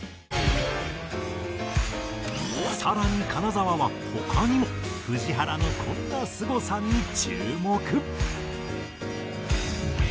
更に金澤は他にも藤原のこんなすごさに注目。